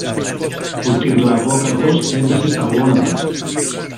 Ο κυρ-Λαγόκαρδος έπεσε στα γόνατα.